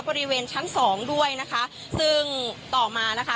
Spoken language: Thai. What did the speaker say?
บริเวณชั้นสองด้วยนะคะซึ่งต่อมานะคะ